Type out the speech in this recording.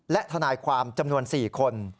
และทนายความจำนวน๔คน